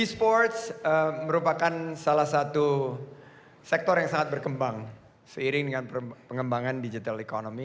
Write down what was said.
e sports merupakan salah satu sektor yang sangat berkembang seiring dengan pengembangan digital economy